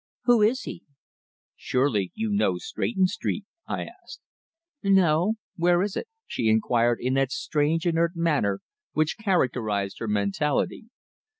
"Who is he?" "Surely you know Stretton Street?" I asked. "No where is it?" she inquired in that strange inert manner which characterized her mentality.